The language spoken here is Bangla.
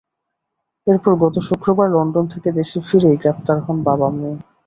এরপর গত শুক্রবার লন্ডন থেকে দেশে ফিরেই গ্রেপ্তার হন বাবা মেয়ে।